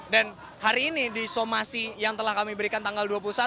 dan hari ini di somasi yang telah kami berikan tanggal dua puluh satu